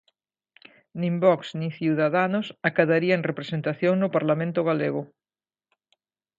Nin Vox nin Ciudadanos acadarían representación no Parlamento galego.